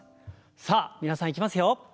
さあ皆さんいきますよ。